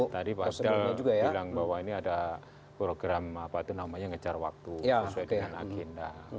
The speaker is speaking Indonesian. tadi pak asel bilang bahwa ini ada program apa itu namanya ngejar waktu sesuai dengan agenda